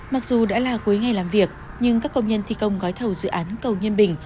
mặc dù đã là cuối ngày làm việc nhưng các công nhân thi công gói thầu dự án cầu nhân bình